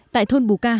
tại thôn bù cát